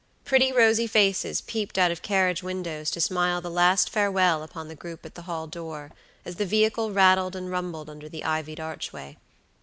Pretty rosy faces peeped out of carriage windows to smile the last farewell upon the group at the hall door, as the vehicle rattled and rumbled under the ivied archway.